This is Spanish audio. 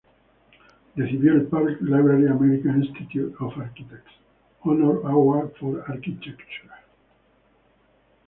Recibió el Public Library, American Institute of Architects, "Honor Award for Architecture"